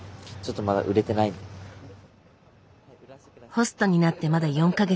ホストになってまだ４か月。